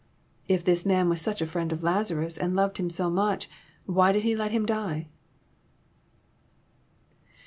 <* If this Man was such a friend of Lazarus, and loved him so much, why did He let him die